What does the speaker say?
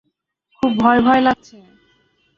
খুব ভয় ভয় লাগছে।